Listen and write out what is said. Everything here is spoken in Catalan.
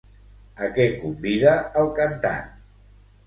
A què convida el cantant?